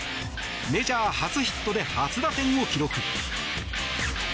メジャー初ヒットで初打点を記録。